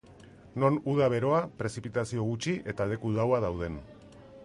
Non uda beroa, prezipitazio gutxi, eta leku laua dauden.